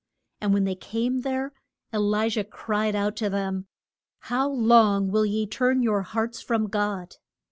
And when they came there, E li jah cried out to them, How long will ye turn your hearts from God?